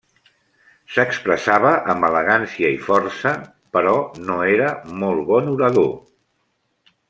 S'expressava amb elegància i força, però no era molt bon orador.